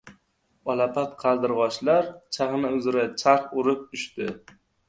Olapat qaldirg‘ochlar sahna uzra charx urib uchdi.